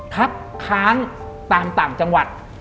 คัดค้านตามต่างจังหวัด